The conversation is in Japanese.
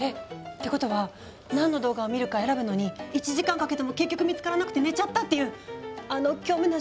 ってことは何の動画を見るか選ぶのに１時間かけても結局見つからなくて寝ちゃったっていうあの虚無の週末たちがなくなるっていうの？